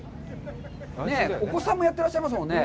お子さんもやってらっしゃいますもんね。